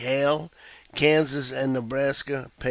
Hale, "Kansas and Nebraska," p.